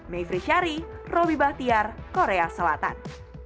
mevri syari robby bahtiar korea selatan